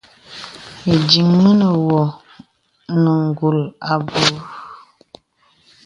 Ìdiŋ mə̀ nə̀ wɔ̄ ònə kùl abùù.